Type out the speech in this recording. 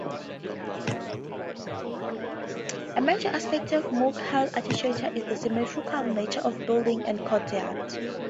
A major aspect of Mughal architecture is the symmetrical nature of buildings and courtyards.